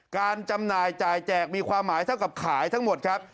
จำหน่ายจ่ายแจกมีความหมายเท่ากับขายทั้งหมดครับ